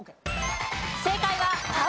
正解は皮。